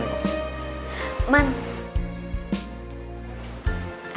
kak alhamdulillah ya